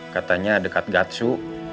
katanya dekat gatsu